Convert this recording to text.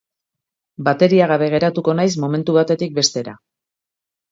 Bateria gabe geratuko naiz momentu batetik bestera.